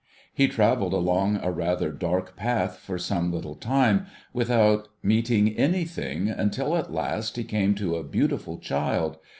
He travelled along a rather dark path for some little time, without meeting anything, until at last he came to a beautiful child.